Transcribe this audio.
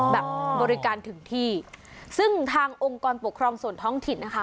แบบบริการถึงที่ซึ่งทางองค์กรปกครองส่วนท้องถิ่นนะคะ